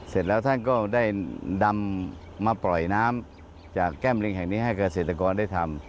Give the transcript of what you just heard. เสร็จแล้วท่านก็ได้นำมาปล่อยน้ำจากแก้มลิงแห่งนี้ให้เกษตรกรได้ทำ